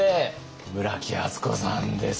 村木厚子さんです。